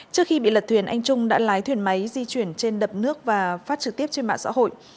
trước khi bị lật thuyền anh trung đã lái thuyền máy di chuyển trên đập nước và phát trực tiếp trên mạng xã hội